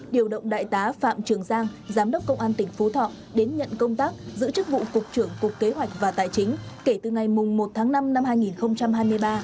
điều động đại tá phạm trường giang giám đốc công an tỉnh phú thọ đến nhận công tác giữ chức vụ cục trưởng cục kế hoạch và tài chính kể từ ngày một tháng năm năm hai nghìn hai mươi ba